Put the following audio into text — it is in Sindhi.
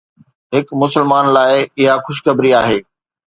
هڪ مسلمان لاءِ اها خوشخبري آهي.